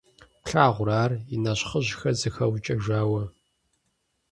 Плъагъурэ ар, и нэщхъыжьхэр зэхэукӀэжауэ!